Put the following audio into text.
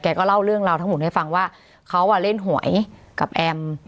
ก็เล่าเรื่องราวทั้งหมดให้ฟังว่าเขาเล่นหวยกับแอม